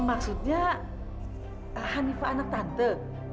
maksudnya hanifah anak tante